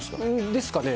ですかね。